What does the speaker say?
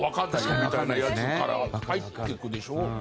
みたいなやつから入ってくでしょ？